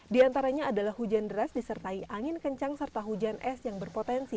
di antaranya adalah hujan deras disertai angin kencang serta hujan es yang berpotensi